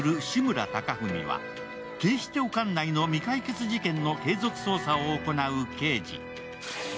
志村貴文は警視庁管内の未解決事件の継続捜査を行う刑事。